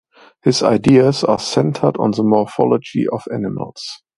His ideas were centered on the morphology of animals.